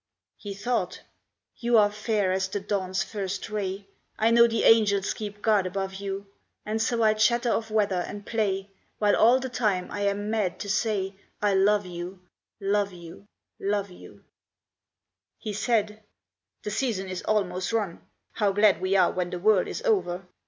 He thought "You are fair as the dawn's first ray; I know the angels keep guard above you. And so I chatter of weather, and play, While all the time I am mad to say, I love you, love you, love you." He said "The season is almost run; How glad we are, when the whirl is over!